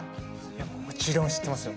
もちろん知ってますよ。